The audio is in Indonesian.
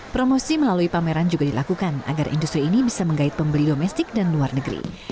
promosi melalui pameran juga dilakukan agar industri ini bisa menggait pembeli domestik dan luar negeri